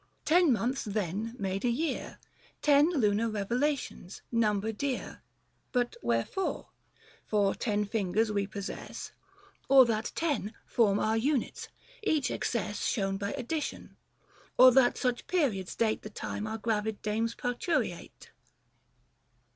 Ten months then made a year, Ten lunar revolutions : number dear — But wherefore ? For ten fingers we possess, Or that ten form our units — each excess 130 Shown by addition ; or that such periods date The time our gravid dames parturiate